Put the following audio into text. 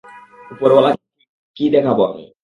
উপরওয়ালা কে কী দেখাবো আমি?